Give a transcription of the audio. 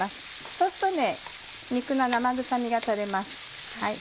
そうすると肉の生臭みが取れます。